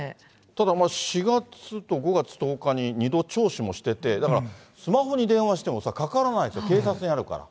ただ、４月と５月１０日に２度聴取もしてて、だから、スマホに電話してもかからないと、警察にあるから。